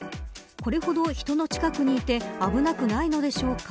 これほど人の近くにいて危なくないのでしょうか。